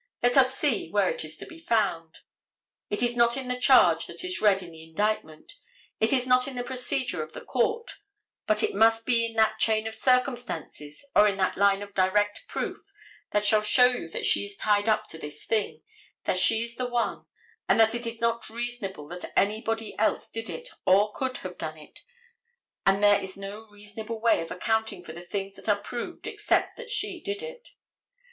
Let us see where it is to be found. It is not in the charge that is read in the indictment; it is not in the procedure of the court, but it must be in that chain of circumstances or in that line of direct proof that shall show you that she is tied up to this thing, that she is the one, and that it is not reasonable that anybody else did it or could have done it; that there is no reasonable way of accounting for the things that are proved except that she did it.